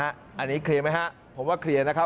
อันนี้เคลียร์ไหมฮะผมว่าเคลียร์นะครับ